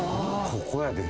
ここやで。